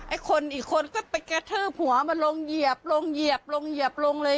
คนอีกคนก็ไปกระทืบหัวมันลงเหยียบลงเหยียบลงเหยียบลงเลย